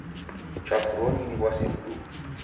Chafronyi ni w'asi mduhu.